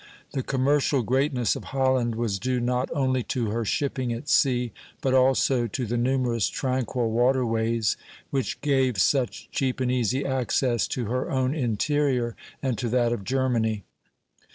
The commercial greatness of Holland was due not only to her shipping at sea, but also to the numerous tranquil water ways which gave such cheap and easy access to her own interior and to that of Germany.